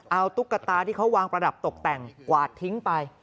เอาตุ๊กตาที่เขาวางประดับตกแต่งกวาดทิ้งไป